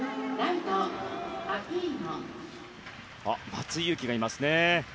松井裕樹がいますね。